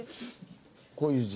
こういう字。